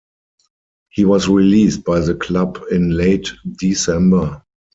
He was released by the club in late December.